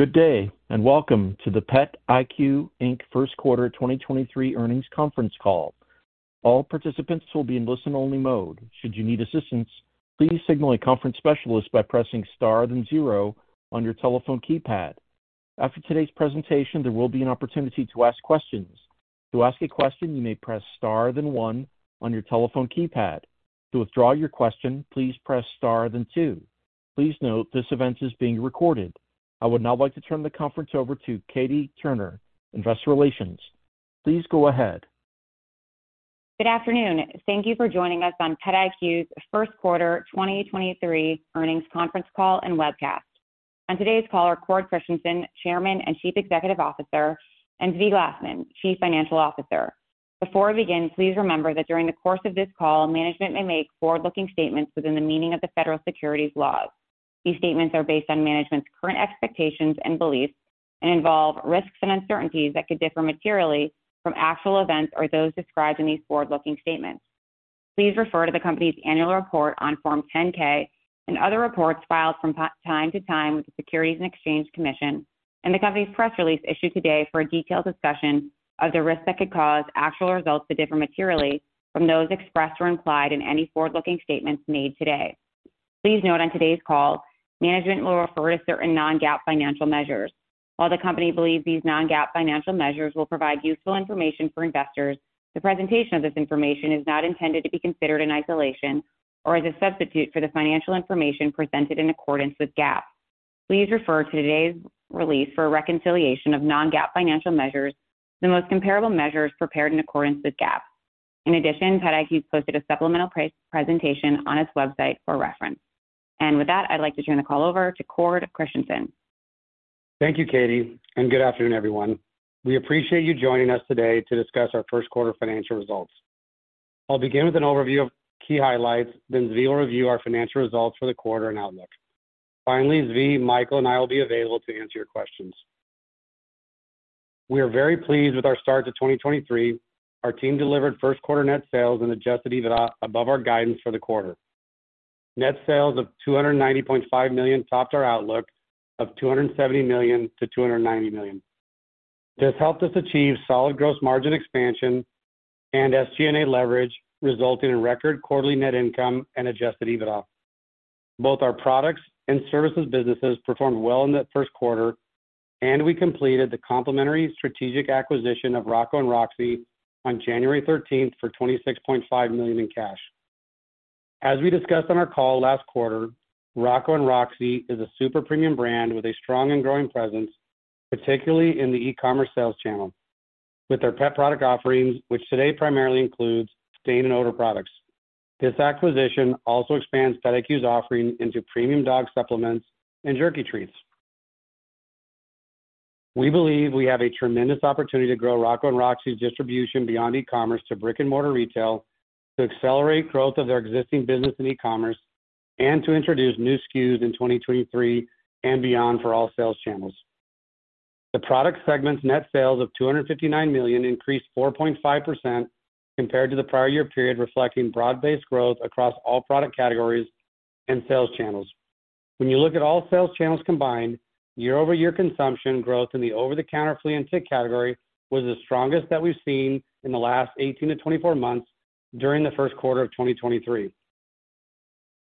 Good day, and welcome to the PetIQ, Inc. First Quarter 2023 Earnings Conference Call. All participants will be in listen-only mode. Should you need assistance, please signal a conference specialist by pressing Star then zero on your telephone keypad. After today's presentation, there will be an opportunity to ask questions. To ask a question, you may press Star then one on your telephone keypad. To withdraw your question, please press Star then two. Please note this event is being recorded. I would now like to turn the conference over to Katie Turner, Investor Relations. Please go ahead. Good afternoon. Thank you for joining us on PetIQ's first quarter 2023 earnings conference call and webcast. On today's call are Cord Christensen, Chairman and Chief Executive Officer, and Zvi Glassman, Chief Financial Officer. Before we begin, please remember that during the course of this call, management may make forward-looking statements within the meaning of the federal securities laws. These statements are based on management's current expectations and beliefs and involve risks and uncertainties that could differ materially from actual events or those described in these forward-looking statements. Please refer to the company's annual report on Form 10-K and other reports filed from time to time with the Securities and Exchange Commission and the company's press release issued today for a detailed discussion of the risks that could cause actual results to differ materially from those expressed or implied in any forward-looking statements made today. Please note on today's call, management will refer to certain non-GAAP financial measures. While the company believes these non-GAAP financial measures will provide useful information for investors, the presentation of this information is not intended to be considered in isolation or as a substitute for the financial information presented in accordance with GAAP. Please refer to today's release for a reconciliation of non-GAAP financial measures, the most comparable measures prepared in accordance with GAAP. In addition, PetIQ posted a supplemental presentation on its website for reference. With that, I'd like to turn the call over to Cord Christensen. Thank you, Katie, and good afternoon, everyone. We appreciate you joining us today to discuss our first quarter financial results. I'll begin with an overview of key highlights, then Zvi will review our financial results for the quarter and outlook. Finally, Zvi, Michael, and I will be available to answer your questions. We are very pleased with our start to 2023. Our team delivered first quarter net sales and adjusted EBITDA above our guidance for the quarter. Net sales of $290.5 million topped our outlook of $270 million to $290 million. This helped us achieve solid gross margin expansion and SG&A leverage, resulting in record quarterly net income and adjusted EBITDA. Both our products and services businesses performed well in the first quarter, and we completed the complimentary strategic acquisition of Rocco & Roxie on January 13th for $26.5 million in cash. As we discussed on our call last quarter, Rocco & Roxie is a super premium brand with a strong and growing presence, particularly in the e-commerce sales channel with their pet product offerings, which today primarily includes stain and odor products. This acquisition also expands PetIQ's offering into premium dog supplements and jerky treats. We believe we have a tremendous opportunity to grow Rocco & Roxie's distribution beyond e-commerce to brick-and-mortar retail, to accelerate growth of their existing business in e-commerce, and to introduce new SKUs in 2023 and beyond for all sales channels. The product segment's net sales of $259 million increased 4.5% compared to the prior year period, reflecting broad-based growth across all product categories and sales channels. When you look at all sales channels combined, year-over-year consumption growth in the over-the-counter flea and tick category was the strongest that we've seen in the last 18-24 months during the first quarter of 2023.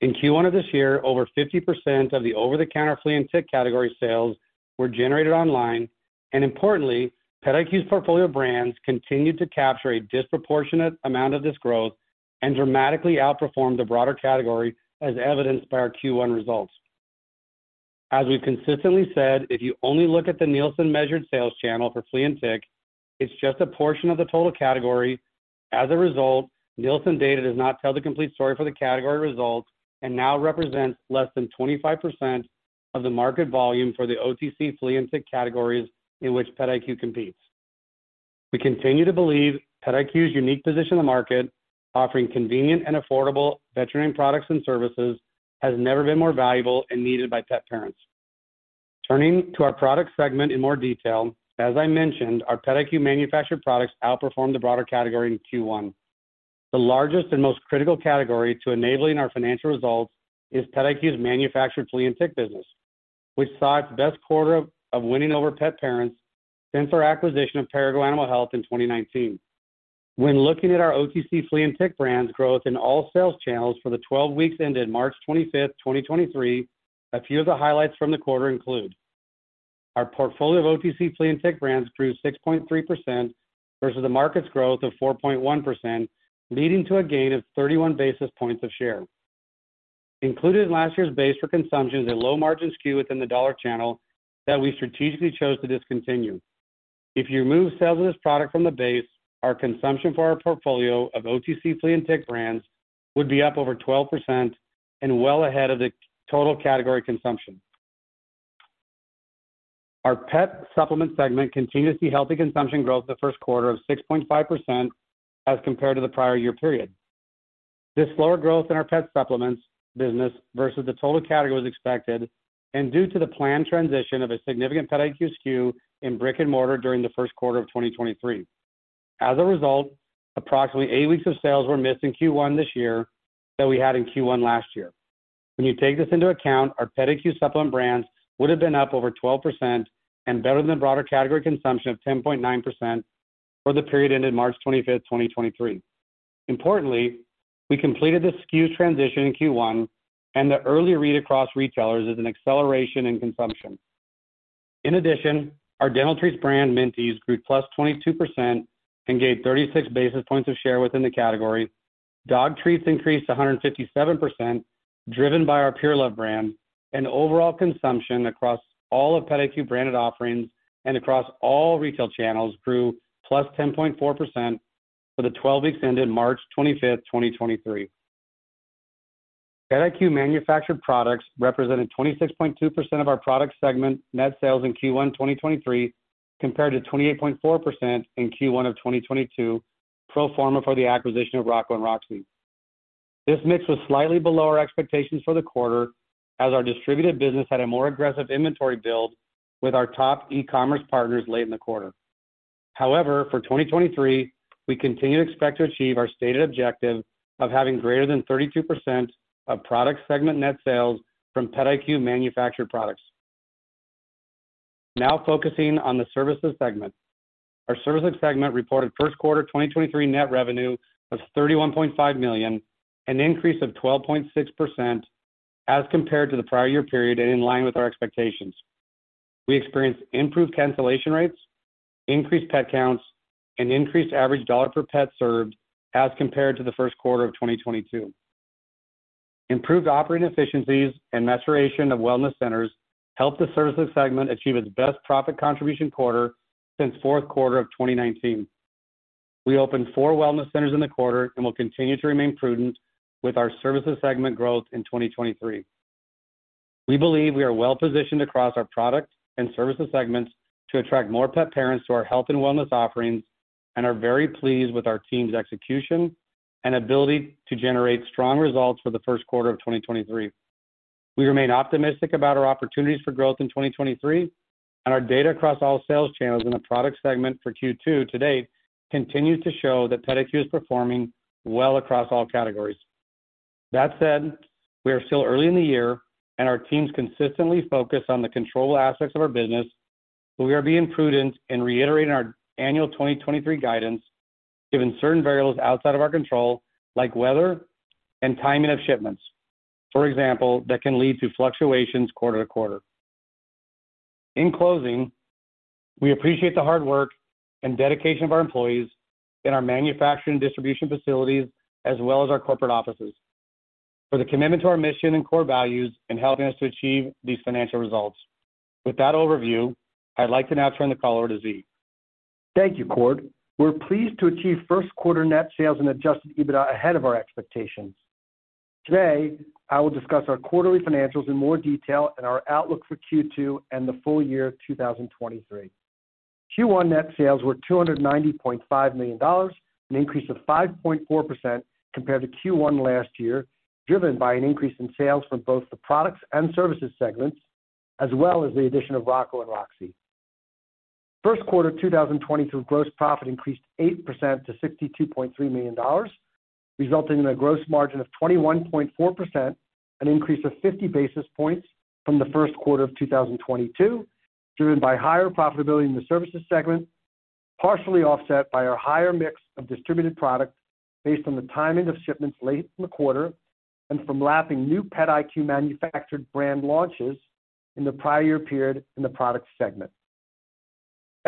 In Q1 of this year, over 50% of the over-the-counter flea and tick category sales were generated online. Importantly, PetIQ's portfolio of brands continued to capture a disproportionate amount of this growth and dramatically outperformed the broader category as evidenced by our Q1 results. As we've consistently said, if you only look at the Nielsen-measured sales channel for flea and tick, it's just a portion of the total category. As a result, Nielsen data does not tell the complete story for the category results and now represents less than 25% of the market volume for the OTC flea and tick categories in which PetIQ competes. We continue to believe PetIQ's unique position in the market, offering convenient and affordable veterinary products and services, has never been more valuable and needed by pet parents. Turning to our product segment in more detail, as I mentioned, our PetIQ manufactured products outperformed the broader category in Q1. The largest and most critical category to enabling our financial results is PetIQ's manufactured flea and tick business, which saw its best quarter of winning over pet parents since our acquisition of Perrigo Animal Health in 2019. When looking at our OTC flea and tick brands growth in all sales channels for the 12 weeks ended March 25, 2023, a few of the highlights from the quarter include our portfolio of OTC flea and tick brands grew 6.3% versus the market's growth of 4.1%, leading to a gain of 31 basis points of share. Included in last year's base for consumption is a low-margin SKU within the dollar channel that we strategically chose to discontinue. If you remove sales of this product from the base, our consumption for our portfolio of OTC flea and tick brands would be up over 12% and well ahead of the total category consumption. Our pet supplement segment continues to see healthy consumption growth the first quarter of 6.5% as compared to the prior year period. This slower growth in our pet supplements business versus the total category was expected and due to the planned transition of a significant PetIQ SKU in brick and mortar during the first quarter of 2023. As a result, approximately eight weeks of sales were missed in Q1 this year that we had in Q1 last year. When you take this into account, our PetIQ supplement brands would have been up over 12% and better than the broader category consumption of 10.9% for the period ended March 25, 2023. Importantly, we completed the SKU transition in Q1 and the early read across retailers is an acceleration in consumption. In addition, our dental treats brand, Minties, grew +22% and gained 36 basis points of share within the category. Dog treats increased 157%, driven by our Pur Luv brand, overall consumption across all of PetIQ branded offerings and across all retail channels grew +10.4% for the 12 weeks ended March 25, 2023. PetIQ manufactured products represented 26.2% of our product segment net sales in Q1 2023, compared to 28.4% in Q1 2022, pro forma for the acquisition of Rocco & Roxie. This mix was slightly below our expectations for the quarter as our distributed business had a more aggressive inventory build with our top e-commerce partners late in the quarter. For 2023, we continue to expect to achieve our stated objective of having greater than 32% of product segment net sales from PetIQ manufactured products. Focusing on the services segment. Our services segment reported first quarter 2023 net revenue of $31.5 million, an increase of 12.6% as compared to the prior year period and in line with our expectations. We experienced improved cancellation rates, increased pet counts, and increased average dollar per pet served as compared to the first quarter of 2022. Improved operating efficiencies and maturation of wellness centers helped the services segment achieve its best profit contribution quarter since fourth quarter of 2019. We opened four wellness centers in the quarter and will continue to remain prudent with our services segment growth in 2023. We believe we are well-positioned across our products and services segments to attract more pet parents to our health and wellness offerings and are very pleased with our team's execution and ability to generate strong results for the first quarter of 2023. We remain optimistic about our opportunities for growth in 2023. Our data across all sales channels in the products segment for Q2 to date continues to show that PetIQ is performing well across all categories. That said, we are still early in the year. Our teams consistently focus on the controllable aspects of our business, we are being prudent in reiterating our annual 2023 guidance given certain variables outside of our control, like weather and timing of shipments, for example, that can lead to fluctuations quarter to quarter. In closing, we appreciate the hard work and dedication of our employees in our manufacturing distribution facilities as well as our corporate offices for the commitment to our mission and core values in helping us to achieve these financial results. With that overview, I'd like to now turn the call over to Zvi. Thank you, Cord. We're pleased to achieve first quarter net sales and adjusted EBITDA ahead of our expectations. Today, I will discuss our quarterly financials in more detail and our outlook for Q2 and the full year 2023. Q1 net sales were $290.5 million, an increase of 5.4% compared to Q1 last year, driven by an increase in sales from both the products and services segments, as well as the addition of Rocco & Roxie. First quarter 2022 gross profit increased 8% to $62.3 million, resulting in a gross margin of 21.4%, an increase of 50 basis points from the first quarter of 2022, driven by higher profitability in the services segment, partially offset by our higher mix of distributed products based on the timing of shipments late in the quarter and from lapping new PetIQ manufactured brand launches in the prior year period in the product segment.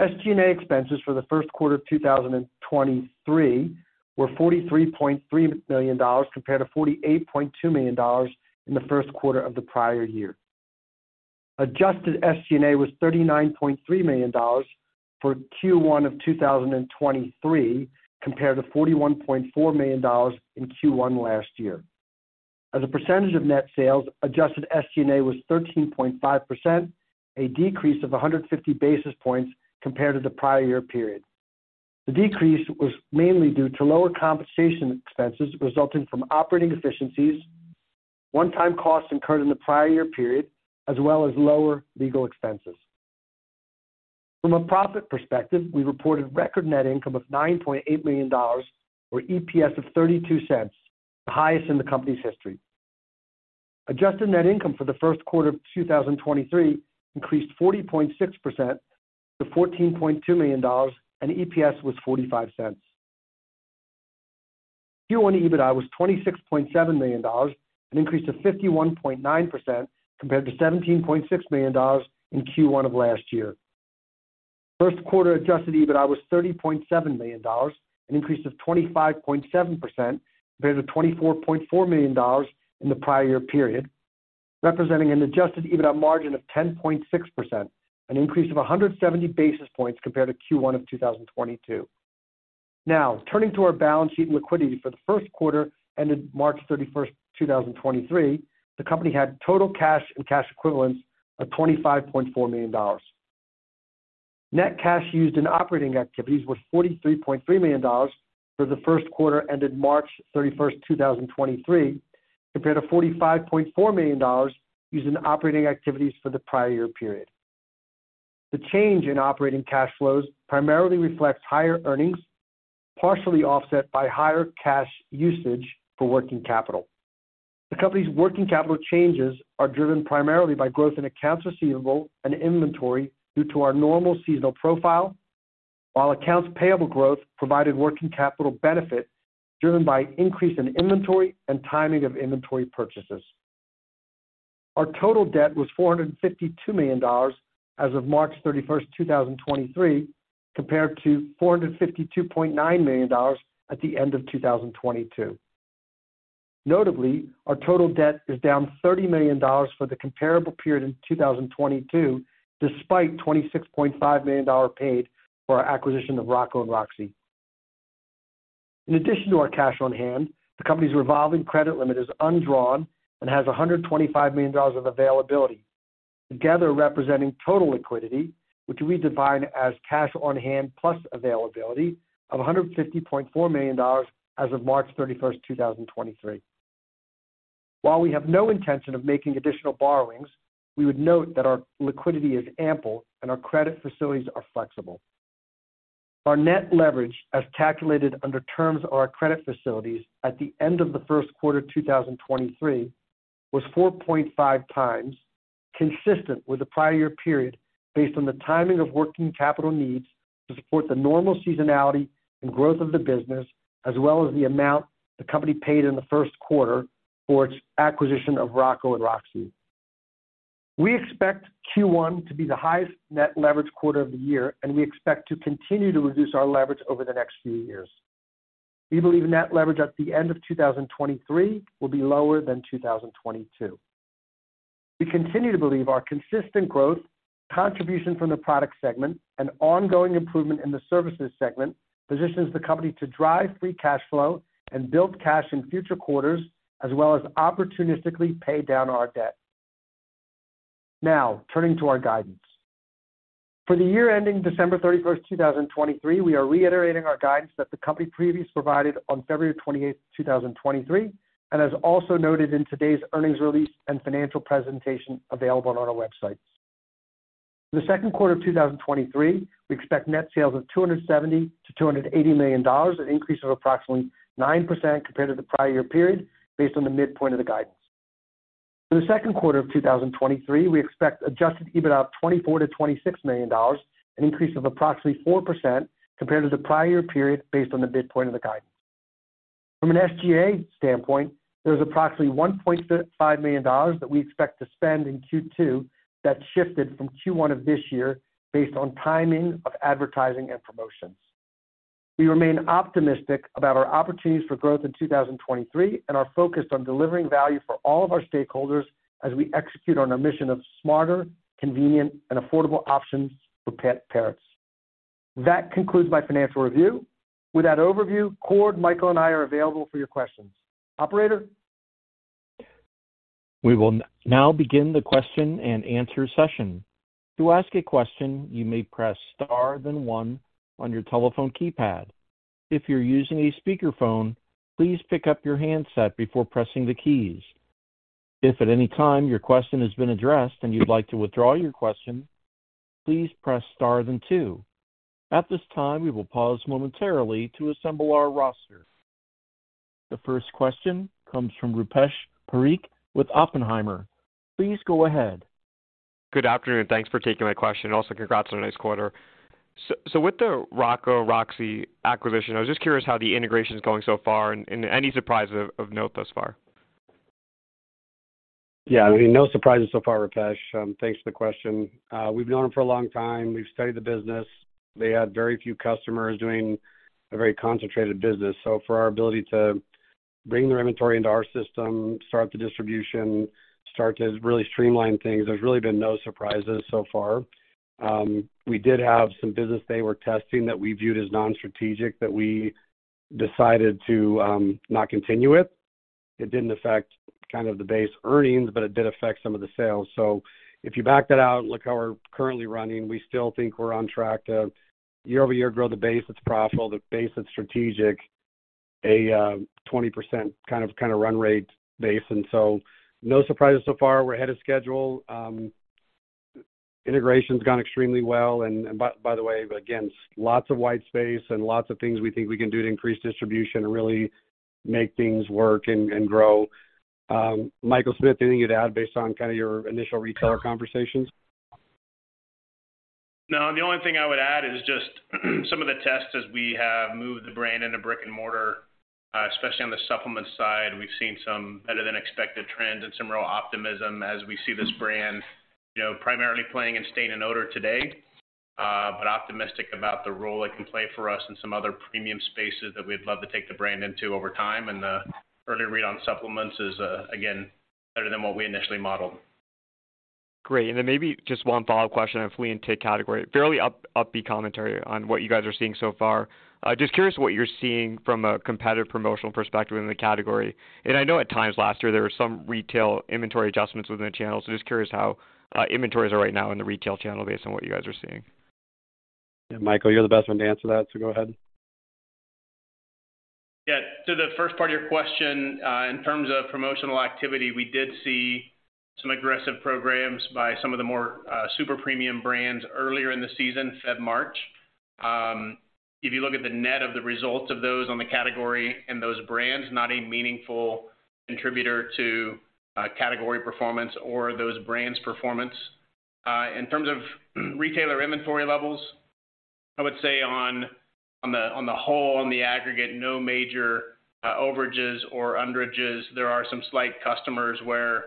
SG&A expenses for the first quarter of 2023 were $43.3 million compared to $48.2 million in the first quarter of the prior year. Adjusted SG&A was $39.3 million for Q1 of 2023 compared to $41.4 million in Q1 last year. As a percentage of net sales, adjusted SG&A was 13.5%, a decrease of 150 basis points compared to the prior year period. The decrease was mainly due to lower compensation expenses resulting from operating efficiencies, one-time costs incurred in the prior year period, as well as lower legal expenses. From a profit perspective, we reported record net income of $9.8 million or EPS of $0.32, the highest in the company's history. Adjusted net income for the first quarter of 2023 increased 40.6% to $14.2 million, and EPS was $0.45. Q1 EBITDA was $26.7 million, an increase of 51.9% compared to $17.6 million in Q1 of last year. First quarter adjusted EBITDA was $30.7 million, an increase of 25.7% compared to $24.4 million in the prior year period, representing an adjusted EBITDA margin of 10.6%, an increase of 170 basis points compared to Q1 of 2022. Turning to our balance sheet and liquidity for the first quarter ended March 31, 2023, the company had total cash and cash equivalents of $25.4 million. Net cash used in operating activities was $43.3 million for the first quarter ended March 31, 2023. Compared to $45.4 million using operating activities for the prior year period. The change in operating cash flows primarily reflects higher earnings, partially offset by higher cash usage for working capital. The company's working capital changes are driven primarily by growth in accounts receivable and inventory due to our normal seasonal profile, while accounts payable growth provided working capital benefit driven by increase in inventory and timing of inventory purchases. Our total debt was $452 million as of March 31, 2023, compared to $452.9 million at the end of 2022. Notably, our total debt is down $30 million for the comparable period in 2022, despite $26.5 million paid for our acquisition of Rocco & Roxie. In addition to our cash on hand, the company's revolving credit limit is undrawn and has $125 million of availability, together representing total liquidity, which we define as cash on hand plus availability of $150.4 million as of March 31, 2023. While we have no intention of making additional borrowings, we would note that our liquidity is ample and our credit facilities are flexible. Our net leverage, as calculated under terms of our credit facilities at the end of the first quarter 2023, was 4.5x, consistent with the prior year period based on the timing of working capital needs to support the normal seasonality and growth of the business, as well as the amount the company paid in the first quarter for its acquisition of Rocco & Roxie. We expect Q1 to be the highest net leverage quarter of the year, and we expect to continue to reduce our leverage over the next few years. We believe net leverage at the end of 2023 will be lower than 2022. We continue to believe our consistent growth, contribution from the product segment and ongoing improvement in the services segment positions the company to drive free cash flow and build cash in future quarters, as well as opportunistically pay down our debt. Now, turning to our guidance. For the year ending December 31, 2023, we are reiterating our guidance that the company previously provided on February 28, 2023, and as also noted in today's earnings release and financial presentation available on our websites. For the second quarter of 2023, we expect net sales of $270 million-$280 million, an increase of approximately 9% compared to the prior year period based on the midpoint of the guidance. For the second quarter of 2023, we expect adjusted EBITDA of $24 million-$26 million, an increase of approximately 4% compared to the prior year period based on the midpoint of the guidance. From an SG&A standpoint, there is approximately $1.5 million that we expect to spend in Q2 that shifted from Q1 of this year based on timing of advertising and promotions. We remain optimistic about our opportunities for growth in 2023 and are focused on delivering value for all of our stakeholders as we execute on our mission of smarter, convenient, and affordable options for pet parents. That concludes my financial review. With that overview, Cord, Michael, and I are available for your questions. Operator? We will now begin the question and answer session. To ask a question, you may press star, then one on your telephone keypad. If you're using a speakerphone, please pick up your handset before pressing the keys. If at any time your question has been addressed and you'd like to withdraw your question, please press star then two. At this time, we will pause momentarily to assemble our roster. The first question comes from Rupesh Parikh with Oppenheimer. Please go ahead. Good afternoon. Thanks for taking my question. Also, congrats on a nice quarter. With the Rocco & Roxie acquisition, I was just curious how the integration is going so far and any surprises of note thus far? Yeah, I mean, no surprises so far, Rupesh. Thanks for the question. We've known them for a long time. We've studied the business. They had very few customers doing a very concentrated business. For our ability to bring their inventory into our system, start the distribution, start to really streamline things, there's really been no surprises so far. We did have some business they were testing that we viewed as non-strategic that we decided to not continue with. It didn't affect kind of the base earnings, but it did affect some of the sales. If you back that out, look how we're currently running, we still think we're on track to year-over-year grow the base that's profitable, the base that's strategic, a 20% kind of run rate base. No surprises so far. We're ahead of schedule. Integration's gone extremely well. By the way, again, lots of white space and lots of things we think we can do to increase distribution and really make things work and grow. Michael Smith, anything you'd add based on kind of your initial retailer conversations? No, the only thing I would add is just some of the tests as we have moved the brand into brick-and-mortar, especially on the supplement side. We've seen some better than expected trends and some real optimism as we see this brand, you know, primarily playing in stain and odor today, but optimistic about the role it can play for us in some other premium spaces that we'd love to take the brand into over time. The early read on supplements is, again, better than what we initially modeled. Great. Maybe just one follow-up question on flea and tick category. Fairly upbeat commentary on what you guys are seeing so far. Just curious what you're seeing from a competitive promotional perspective in the category. I know at times last year, there were some retail inventory adjustments within the channel. Just curious how inventories are right now in the retail channel based on what you guys are seeing. Yeah, Michael, you're the best one to answer that, so go ahead. Yeah. To the first part of your question, in terms of promotional activity, we did see some aggressive programs by some of the more super premium brands earlier in the season, Feb, March. If you look at the net of the results of those on the category and those brands, not a meaningful contributor to category performance or those brands' performance. In terms of retailer inventory levels, I would say on the whole, on the aggregate, no major overages or underages. There are some slight customers where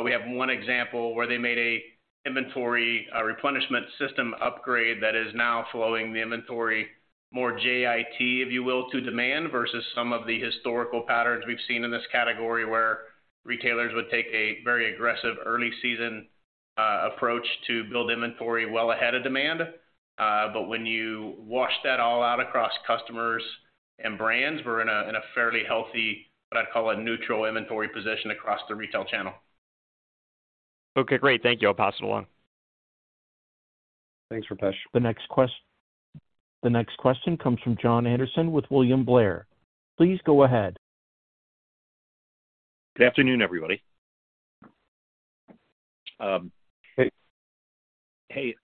we have one example where they made an inventory replenishment system upgrade that is now flowing the inventory more JIT, if you will, to demand, versus some of the historical patterns we've seen in this category, where retailers would take a very aggressive early season approach to build inventory well ahead of demand. When you wash that all out across customers and brands, we're in a, in a fairly healthy, what I'd call a neutral inventory position across the retail channel. Okay, great. Thank you. I'll pass it along. Thanks, Rupesh. The next question comes from Jon Andersen with William Blair. Please go ahead. Good afternoon, everybody. Hey. Hey,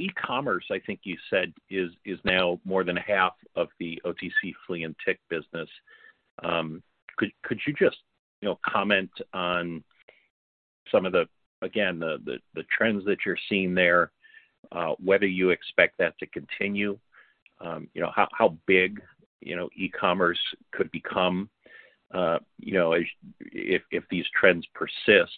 e-commerce, I think you said, is now more than half of the OTC flea and tick business. Could you just, you know, comment on some of the, again, the trends that you're seeing there, whether you expect that to continue, you know, how big, you know, e-commerce could become, you know, as if these trends persist?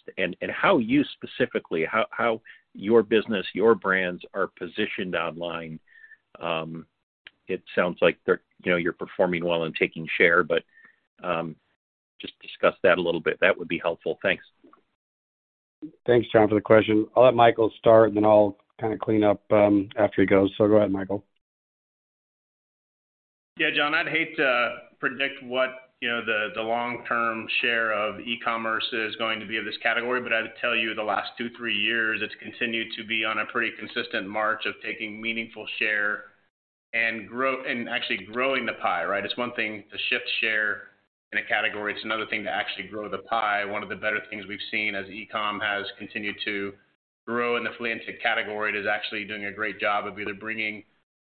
How you specifically, how your business, your brands are positioned online. It sounds like they're, you know, you're performing well and taking share, but just discuss that a little bit. That would be helpful. Thanks. Thanks, Jon, for the question. I'll let Michael start, and then I'll kind of clean up after he goes. Go ahead, Michael. Yeah, Jon, I'd hate to predict what, you know, the long-term share of e-commerce is going to be of this category, but I'd tell you the last two, three years, it's continued to be on a pretty consistent march of taking meaningful share and actually growing the pie, right? It's one thing to shift share in a category. It's another thing to actually grow the pie. One of the better things we've seen as e-com has continued to grow in the flea and tick category, it is actually doing a great job of either bringing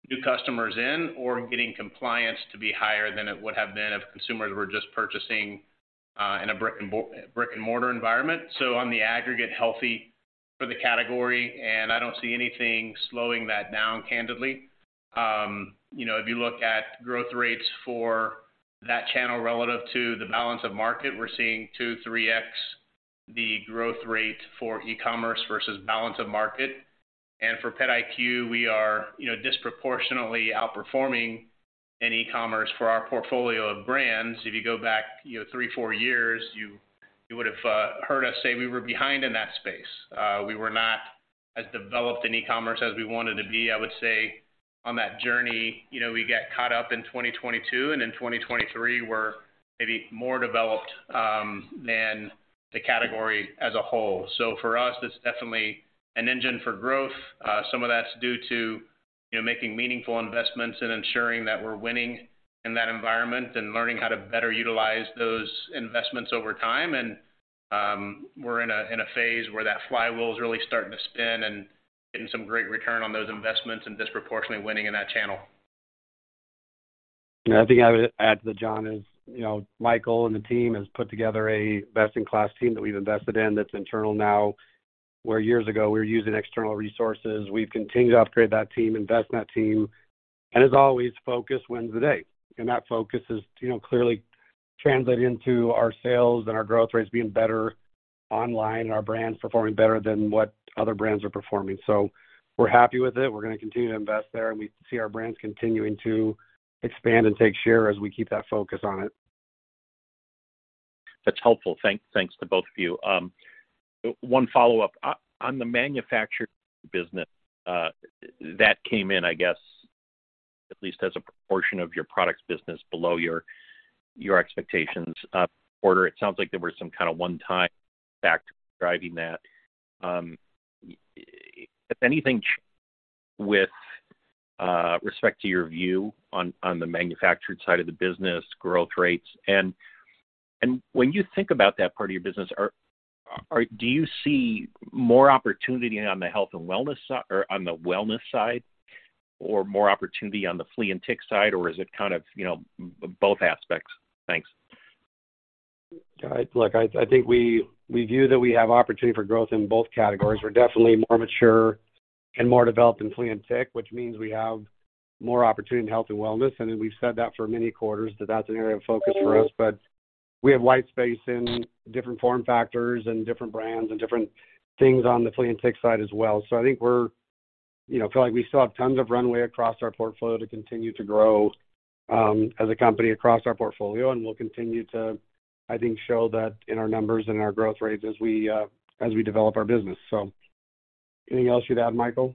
new customers in or getting compliance to be higher than it would have been if consumers were just purchasing in a brick and mortar environment. On the aggregate, healthy for the category, and I don't see anything slowing that down, candidly. You know, if you look at growth rates for that channel relative to the balance of market, we're seeing 2, 3x the growth rate for e-commerce versus balance of market. For PetIQ, we are, you know, disproportionately outperforming in e-commerce for our portfolio of brands. If you go back, you know, three, four years, you would've heard us say we were behind in that space. We were not as developed in e-commerce as we wanted to be. I would say on that journey, you know, we got caught up in 2022, and in 2023 we're maybe more developed than the category as a whole. For us, it's definitely an engine for growth. Some of that's due to, you know, making meaningful investments and ensuring that we're winning in that environment and learning how to better utilize those investments over time. We're in a phase where that flywheel is really starting to spin and getting some great return on those investments and disproportionately winning in that channel. I think I would add to that, Jon, is, you know, Michael and the team has put together a best-in-class team that we've invested in that's internal now, where years ago, we were using external resources. We've continued to upgrade that team, invest in that team, and as always, focus wins the day. That focus is, you know, clearly translating into our sales and our growth rates being better online and our brands performing better than what other brands are performing. We're happy with it. We're gonna continue to invest there, and we see our brands continuing to expand and take share as we keep that focus on it. That's helpful. Thanks to both of you. One follow-up. On the manufactured business, that came in, I guess, at least as a proportion of your products business below your expectations, quarter. It sounds like there were some kind of one-time factors driving that. If anything changed with respect to your view on the manufactured side of the business growth rates? When you think about that part of your business, do you see more opportunity on the health and wellness or on the wellness side or more opportunity on the flea and tick side, or is it kind of, you know, both aspects? Thanks. Look, I think we view that we have opportunity for growth in both categories. We're definitely more mature and more developed in flea and tick, which means we have more opportunity in health and wellness, and we've said that for many quarters, that that's an area of focus for us. We have white space in different form factors and different brands and different things on the flea and tick side as well. I think we're, you know, feel like we still have tons of runway across our portfolio to continue to grow as a company across our portfolio, and we'll continue to, I think, show that in our numbers and our growth rates as we develop our business. Anything else you'd add, Michael?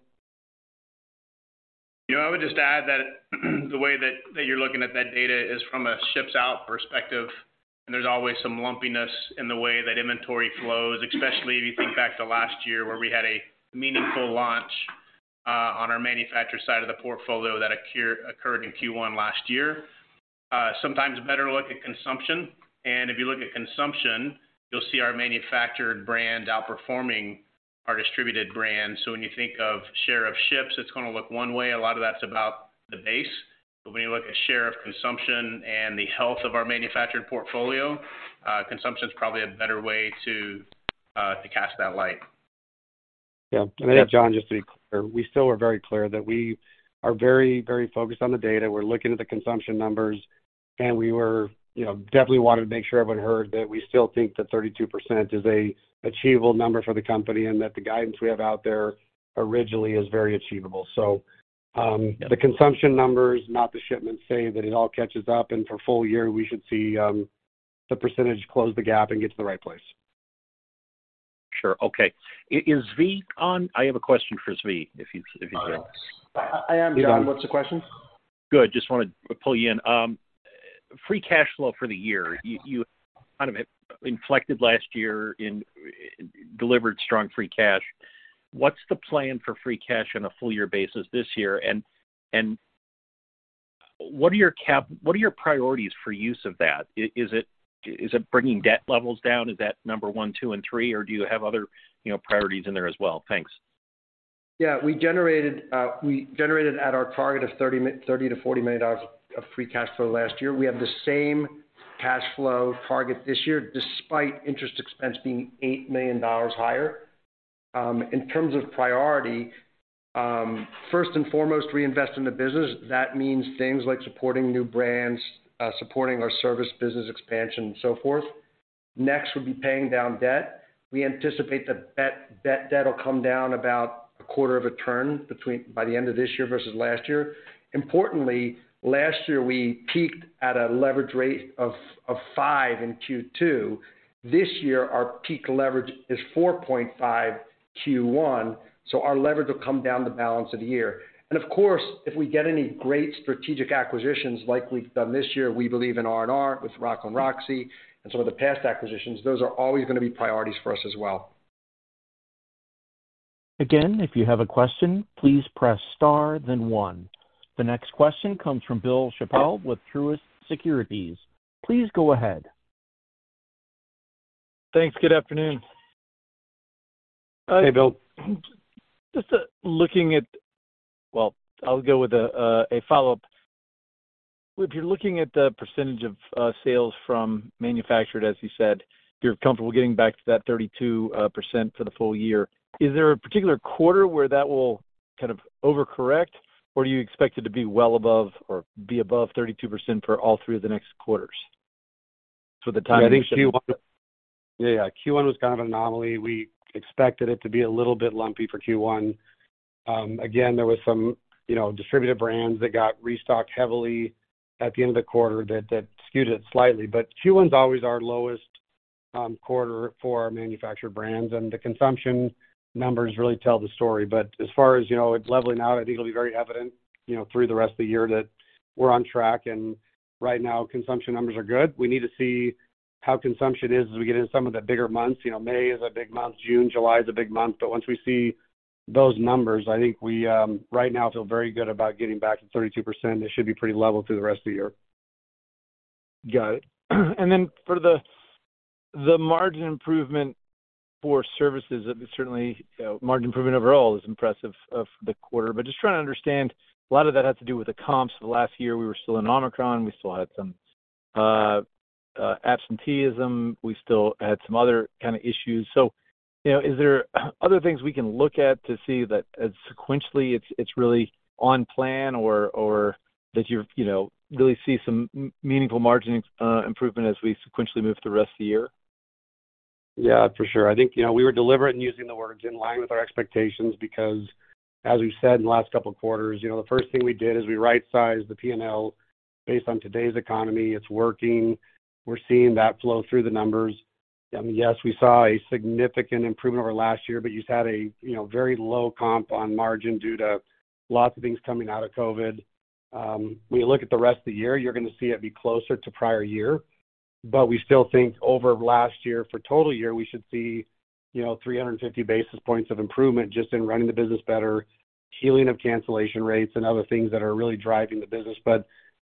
You know, I would just add that the way that you're looking at that data is from a ships out perspective. There's always some lumpiness in the way that inventory flows, especially if you think back to last year where we had a meaningful launch on our manufacturer side of the portfolio that occurred in Q1 last year. Sometimes better to look at consumption. If you look at consumption, you'll see our manufactured brands outperforming our distributed brands. When you think of share of ships, it's gonna look one way. A lot of that's about the base. When you look at share of consumption and the health of our manufactured portfolio, consumption is probably a better way to cast that light. Yeah. Jon, just to be clear, we still are very clear that we are very, very focused on the data. We're looking at the consumption numbers. We were, you know, definitely wanted to make sure everyone heard that we still think that 32% is an achievable number for the company and that the guidance we have out there originally is very achievable. The consumption numbers, not the shipments, say that it all catches up, and for full year, we should see, the percentage close the gap and get to the right place. Sure. Okay. Is Zvi on? I have a question for Zvi, if he's on. Oh, yes. I am, Jon. What's the question? Good. Just wanted to pull you in. Free cash flow for the year. You kind of inflected last year and delivered strong free cash. What's the plan for free cash on a full year basis this year? What are your priorities for use of that? Is it bringing debt levels down? Is that number one, two, and three, or do you have other, you know, priorities in there as well? Thanks. We generated at our target of $30 million to $40 million of free cash flow last year. We have the same cash flow target this year despite interest expense being $8 million higher. In terms of priority, first and foremost, reinvest in the business. That means things like supporting new brands, supporting our service business expansion and so forth. Next would be paying down debt. We anticipate the debt will come down about a quarter of a turn by the end of this year versus last year. Importantly, last year, we peaked at a leverage rate of five in Q2. This year, our peak leverage is 4.5 Q1, so our leverage will come down the balance of the year. Of course, if we get any great strategic acquisitions like we've done this year, we believe in R&R with Rocco & Roxie and some of the past acquisitions, those are always gonna be priorities for us as well. If you have a question, please press star then one. The next question comes from Bill Chappell with Truist Securities. Please go ahead. Thanks. Good afternoon. Hey, Bill. Well, I'll go with a follow-up. If you're looking at the percentage of sales from manufactured, as you said, you're comfortable getting back to that 32% for the full year. Is there a particular quarter where that will kind of over-correct, or do you expect it to be well above or be above 32% for all three of the next quarters? I think Q1... Q1 was kind of an anomaly. We expected it to be a little bit lumpy for Q1. Again, there was some, you know, distributed brands that got restocked heavily at the end of the quarter that skewed it slightly. Q1 is always our lowest quarter for our manufacturer brands, and the consumption numbers really tell the story. As far as, you know, it's leveling out, I think it'll be very evident, you know, through the rest of the year that we're on track. Right now, consumption numbers are good. We need to see how consumption is as we get in some of the bigger months. You know, May is a big month, June, July is a big month. Once we see those numbers, I think we right now feel very good about getting back to 32%. It should be pretty level through the rest of the year. Got it. Then for the margin improvement for services, certainly, margin improvement overall is impressive of the quarter. Just trying to understand, a lot of that has to do with the comps. Last year, we were still in Omicron. We still had some absenteeism. We still had some other kind of issues. You know, is there other things we can look at to see that sequentially it's really on plan or that you're, you know, really see some meaningful margin improvement as we sequentially move through the rest of the year? Yeah, for sure. I think, you know, we were deliberate in using the words in line with our expectations because as we've said in the last couple of quarters, you know, the first thing we did is we right-sized the P&L based on today's economy. It's working. We're seeing that flow through the numbers. Yes, we saw a significant improvement over last year, but you just had a, you know, very low comp on margin due to lots of things coming out of COVID. When you look at the rest of the year, you're gonna see it be closer to prior year. We still think over last year for total year, we should see, you know, 350 basis points of improvement just in running the business better, healing of cancellation rates and other things that are really driving the business.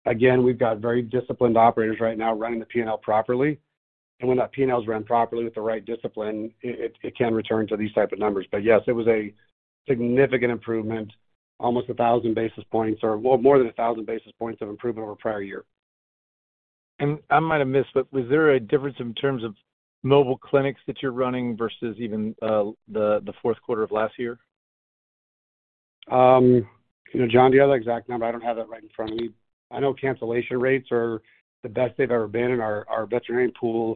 Again, we've got very disciplined operators right now running the P&L properly. When that P&L is run properly with the right discipline, it can return to these type of numbers. Yes, it was a significant improvement, almost 1,000 basis points or, well, more than 1,000 basis points of improvement over prior year. I might have missed, but was there a difference in terms of mobile clinics that you're running versus even, the fourth quarter of last year? You know, Jon, do you have the exact number? I don't have that right in front of me. I know cancellation rates are the best they've ever been, and our veterinarian pool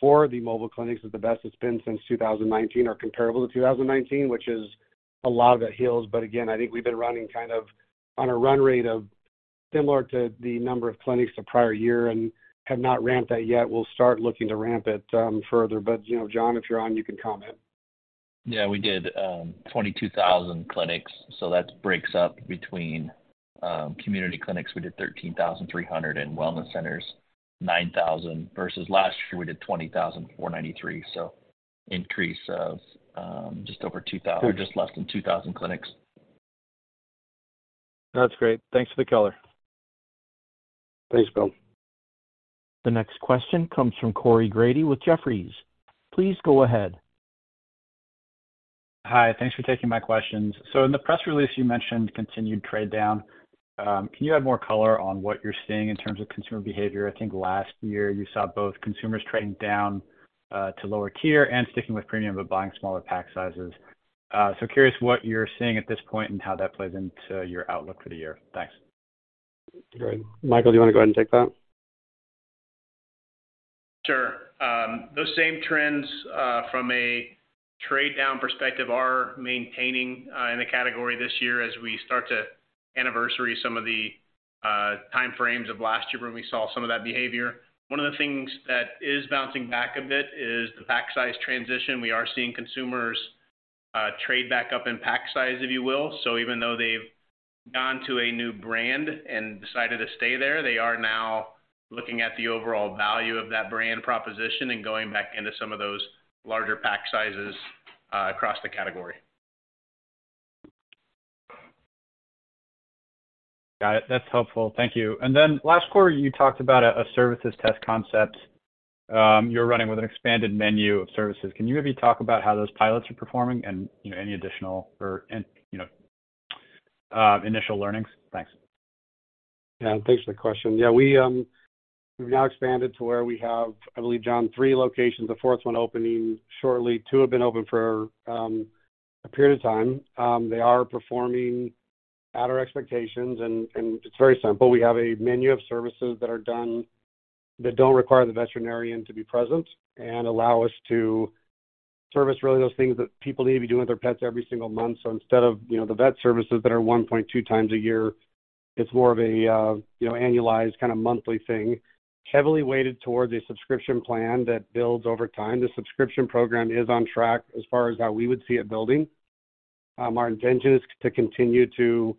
for the mobile clinics is the best it's been since 2019 or comparable to 2019, which is a lot of it heals. Again, I think we've been running kind of on a run rate of similar to the number of clinics the prior year and have not ramped that yet. We'll start looking to ramp it further. You know, Jon, if you're on, you can comment. Yeah, we did, 22,000 clinics, so that breaks up between, community clinics, we did 13,300, and wellness centers 9,000, versus last year we did 20,493. Increase of, just less than 2,000 clinics. That's great. Thanks for the color. Thanks, Bill. The next question comes from Corey Grady with Jefferies. Please go ahead. Hi. Thanks for taking my questions. In the press release, you mentioned continued trade down. Can you add more color on what you're seeing in terms of consumer behavior? I think last year you saw both consumers trading down to lower tier and sticking with premium, but buying smaller pack sizes. Curious what you're seeing at this point and how that plays into your outlook for the year. Thanks. Great. Michael, do you wanna go ahead and take that? Sure. Those same trends, from a trade down perspective are maintaining, in the category this year as we start to anniversary some of the time frames of last year when we saw some of that behavior. One of the things that is bouncing back a bit is the pack size transition. We are seeing consumers, trade back up in pack size, if you will. So even though they've gone to a new brand and decided to stay there, they are now looking at the overall value of that brand proposition and going back into some of those larger pack sizes, across the category. Got it. That's helpful. Thank you. Last quarter, you talked about a services test concept you're running with an expanded menu of services. Can you maybe talk about how those pilots are performing and, you know, any additional or, you know, initial learnings? Thanks. Thanks for the question. We've now expanded to where we have, I believe, Jon, three locations, the fourth one opening shortly. Two have been open for a period of time. They are performing at our expectations and it's very simple. We have a menu of services that are done that don't require the veterinarian to be present and allow us to service really those things that people need to be doing with their pets every single month. Instead of, you know, the vet services that are 1.2x a year, it's more of a, you know, annualized kind of monthly thing, heavily weighted toward the subscription plan that builds over time. The subscription program is on track as far as how we would see it building. Our intention is to continue to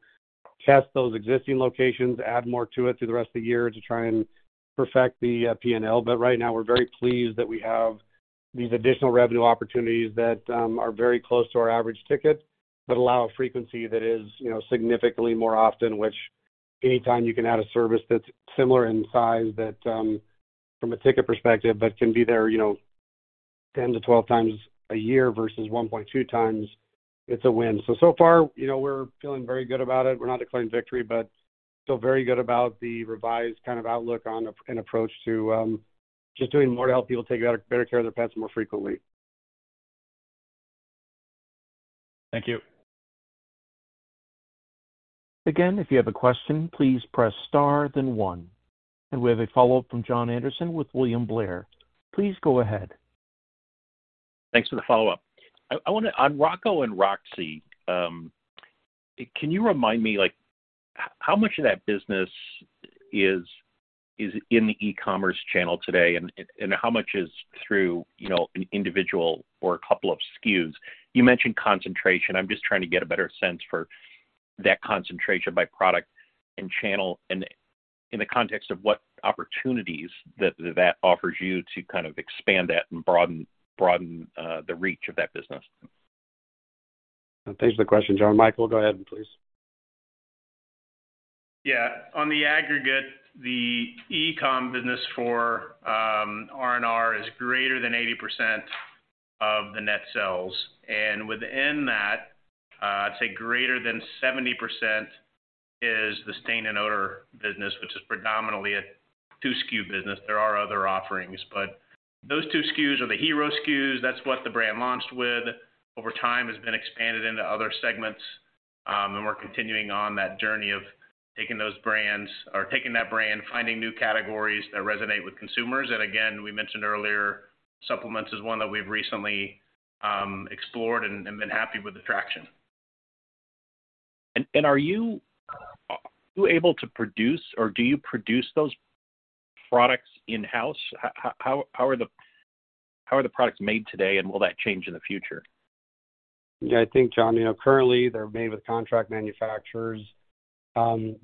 test those existing locations, add more to it through the rest of the year to try and perfect the P&L. Right now, we're very pleased that we have these additional revenue opportunities that are very close to our average ticket that allow a frequency that is, you know, significantly more often, which any time you can add a service that's similar in size that from a ticket perspective, but can be there, you know, 10x-12x a year versus 1.2x, it's a win. So far, you know, we're feeling very good about it. We're not declaring victory, but feel very good about the revised kind of outlook and approach to just doing more to help people take better care of their pets more frequently. Thank you. Again, if you have a question, please press star then one. We have a follow-up from Jon Andersen with William Blair. Please go ahead. Thanks for the follow-up. On Rocco & Roxie, can you remind me, like how much of that business is in the e-commerce channel today, and how much is through, you know, an individual or a couple of SKUs? You mentioned concentration. I'm just trying to get a better sense for that concentration by product and channel and in the context of what opportunities that that offers you to kind of expand that and broaden the reach of that business. Thanks for the question, Jon. Michael, go ahead, please. Yeah. On the aggregate, the e-com business for R&R is greater than 80% of the net sales. Within that, I'd say greater than 70% is the stain and odor business, which is predominantly a two SKU business. There are other offerings, but those two SKUs are the hero SKUs. That's what the brand launched with. Over time has been expanded into other segments, and we're continuing on that journey of taking those brands or taking that brand, finding new categories that resonate with consumers. Again, we mentioned earlier, supplements is one that we've recently explored and been happy with the traction. Are you able to produce or do you produce those products in-house? How are the products made today, and will that change in the future? Yeah, I think, Jon, you know, currently they're made with contract manufacturers.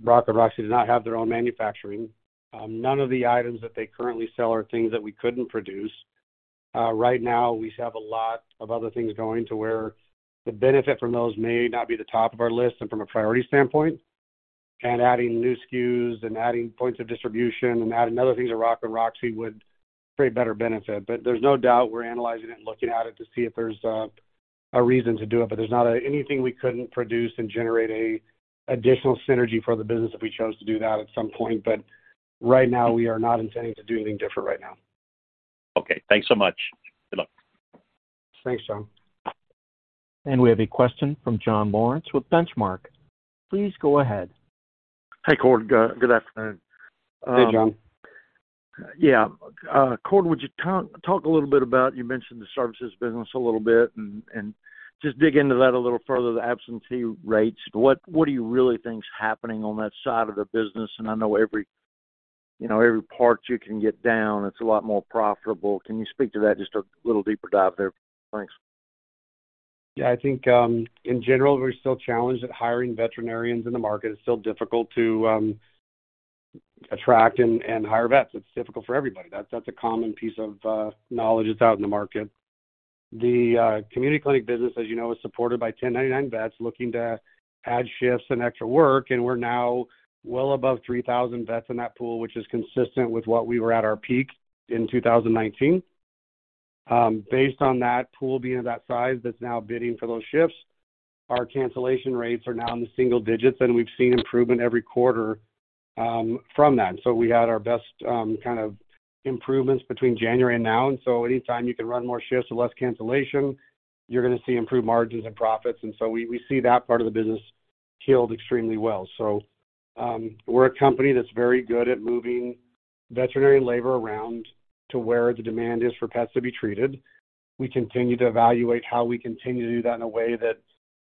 Rocco & Roxie does not have their own manufacturing. None of the items that they currently sell are things that we couldn't produce. Right now we have a lot of other things going to where the benefit from those may not be the top of our list and from a priority standpoint. Adding new SKUs and adding points of distribution and adding other things to Rocco & Roxie would create better benefit. There's no doubt we're analyzing it and looking at it to see if there's a reason to do it. There's not anything we couldn't produce and generate a additional synergy for the business if we chose to do that at some point. Right now, we are not intending to do anything different right now. Okay, thanks so much. Good luck. Thanks, Jon. We have a question from John Lawrence with Benchmark. Please go ahead. Hey, Cord. Good afternoon. Hey, John. Cord, would you talk a little bit about, you mentioned the services business a little bit and just dig into that a little further, the absentee rates? What do you really think is happening on that side of the business? I know You know, every part you can get down, it's a lot more profitable. Can you speak to that? Just a little deeper dive there. Thanks. I think in general, we're still challenged at hiring veterinarians in the market. It's still difficult to attract and hire vets. It's difficult for everybody. That's a common piece of knowledge that's out in the market. The community clinic business, as you know, is supported by 1,099 vets looking to add shifts and extra work, and we're now well above 3,000 vets in that pool, which is consistent with what we were at our peak in 2019. Based on that pool being of that size that's now bidding for those shifts, our cancellation rates are now in the single digits, and we've seen improvement every quarter from that. We had our best kind of improvements between January and now. Anytime you can run more shifts with less cancellation, you're gonna see improved margins and profits. We see that part of the business healed extremely well. So, we're a company that's very good at moving veterinarian labor around to where the demand is for pets to be treated. We continue to evaluate how we continue to do that in a way that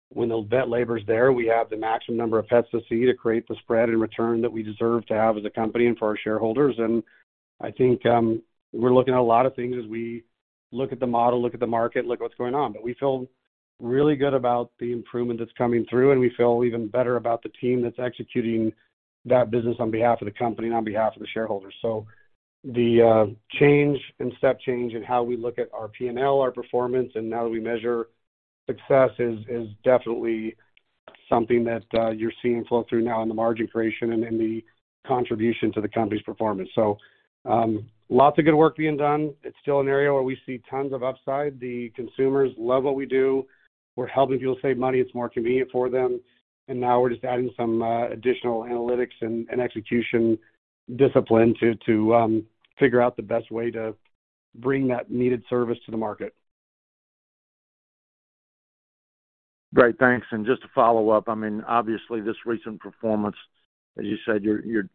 when the vet labor is there, we have the maximum number of pets to see to create the spread and return that we deserve to have as a company and for our shareholders. I think, we're looking at a lot of things as we look at the model, look at the market, look at what's going on. We feel really good about the improvement that's coming through, and we feel even better about the team that's executing that business on behalf of the company and on behalf of the shareholders. The change and step change in how we look at our P&L, our performance, and how do we measure success is definitely something that you're seeing flow through now in the margin creation and in the contribution to the company's performance. Lots of good work being done. It's still an area where we see tons of upside. The consumers love what we do. We're helping people save money. It's more convenient for them. Now we're just adding some additional analytics and execution discipline to figure out the best way to bring that needed service to the market. Great. Thanks. Just to follow up, I mean, obviously, this recent performance, as you said, you're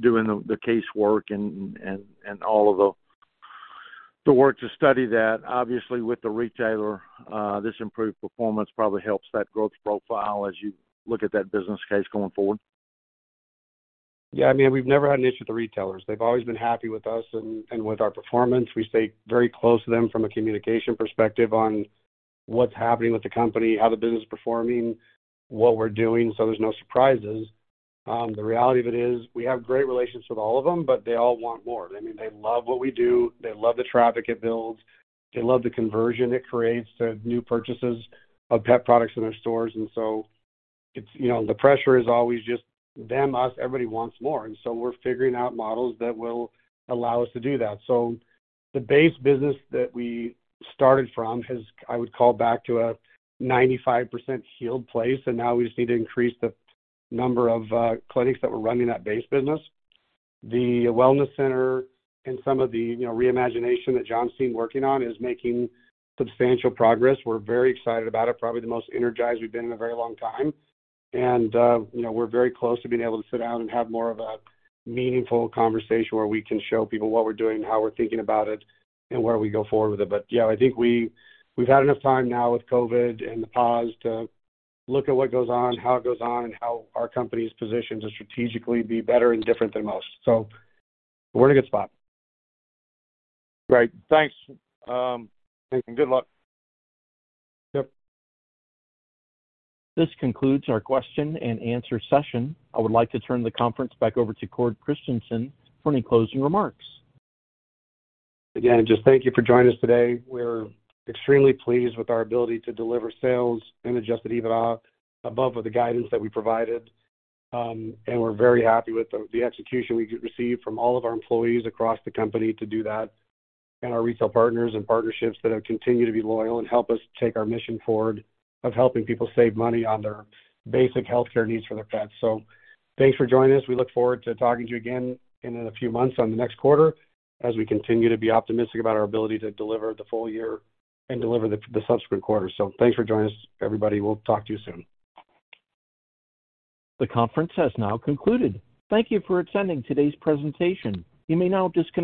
doing the casework and all of the work to study that. Obviously, with the retailer, this improved performance probably helps that growth profile as you look at that business case going forward. Yeah. I mean, we've never had an issue with the retailers. They've always been happy with us and with our performance. We stay very close to them from a communication perspective on what's happening with the company, how the business is performing, what we're doing, so there's no surprises. The reality of it is we have great relations with all of them, but they all want more. I mean, they love what we do. They love the traffic it builds. They love the conversion it creates, the new purchases of pet products in their stores. It's, you know, the pressure is always just them, us, everybody wants more. We're figuring out models that will allow us to do that. The base business that we started from has, I would call, back to a 95% healed place, and now we just need to increase the number of clinics that we're running that base business. The wellness center and some of the, you know, re-imagination that Jon's team working on is making substantial progress. We're very excited about it, probably the most energized we've been in a very long time. You know, we're very close to being able to sit down and have more of a meaningful conversation where we can show people what we're doing, how we're thinking about it, and where we go forward with it. Yeah, I think we've had enough time now with COVID and the pause to look at what goes on, how it goes on, and how our company's positioned to strategically be better and different than most. We're in a good spot. Great. Thanks, good luck. Yep. This concludes our question and answer session. I would like to turn the conference back over to Cord Christensen for any closing remarks. Again, just thank you for joining us today. We're extremely pleased with our ability to deliver sales and adjusted EBITDA above with the guidance that we provided. We're very happy with the execution we received from all of our employees across the company to do that, and our retail partners and partnerships that have continued to be loyal and help us take our mission forward of helping people save money on their basic healthcare needs for their pets. Thanks for joining us. We look forward to talking to you again in a few months on the next quarter as we continue to be optimistic about our ability to deliver the full year and deliver the subsequent quarters. Thanks for joining us, everybody. We'll talk to you soon. The conference has now concluded. Thank you for attending today's presentation. You may now disconnect.